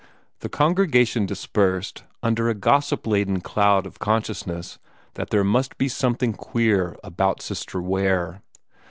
The congregation dispersed under a gossip laden cloud of consciousness that there must be something queer about Sister Ware.